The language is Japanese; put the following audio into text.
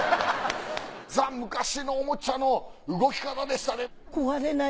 ザ昔のおもちゃの動き方でしたね。